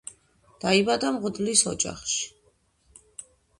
დაიბადა მღვდლის ოჯახში.